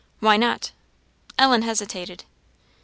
"Why not?" Ellen hesitated.